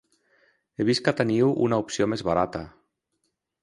He vist que teniu una opció més barata.